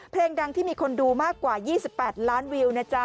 เพลงดังที่มีคนดูมากกว่า๒๘ล้านวิวนะจ๊ะ